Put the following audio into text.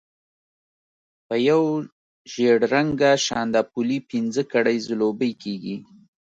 په یو ژېړ رنګه شانداپولي پنځه کړۍ ځلوبۍ کېږي.